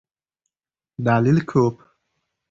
— Dalil ko‘p.